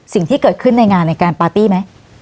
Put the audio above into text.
สิ่งที่เกิดขึ้นในงานในการปาร์ตี้ไหม